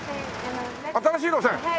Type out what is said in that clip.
新しい路線の。